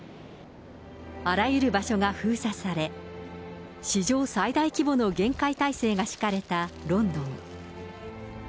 あらゆる場所が封鎖され、史上最大規模の厳戒態勢が敷かれたロンドン。